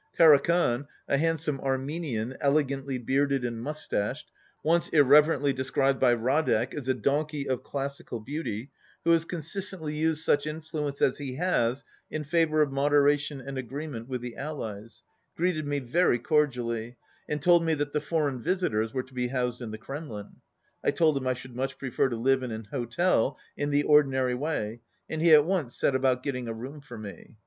Karakhan, a handsome Ar menian, elegantly bearded and moustached, once irreverently described by Radek as "a donkey of classical beauty," who has consistently used such influence as he has in favour of moderation and agreement with the Allies, greeted me very cor dially, and told me that the foreign visitors were to be housed in the Kremlin. I told him I should much prefer to live in an hotel in the ordinary way, and he at once set about getting a room for me.